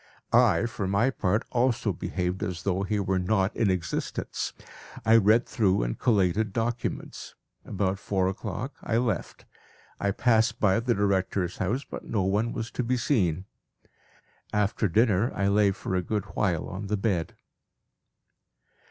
I for my part also behaved as though he were not in existence. I read through and collated documents. About four o'clock I left. I passed by the director's house, but no one was to be seen. After dinner I lay for a good while on the bed.